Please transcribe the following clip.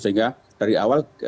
sehingga dari awal